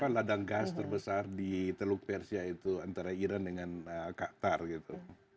dan membagi ladang gas terbesar di teluk persia itu antara iran dengan qatar gitu